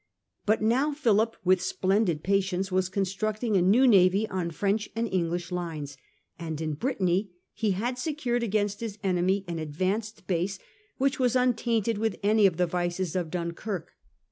But now Philip with splendid patience was constructing a new navy on French and English lines, and in Brittany he had secured against his enemy an advanced base which was untainted with any of the vices of Dunkirk.